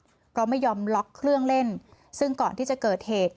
เพราะไม่ยอมล็อกเครื่องเล่นซึ่งก่อนที่จะเกิดเหตุ